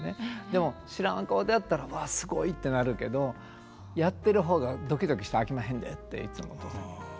でも知らん顔でやったら「わすごい」ってなるけど「やってる方がドキドキしたらあきまへんで」っていつもお父さんに。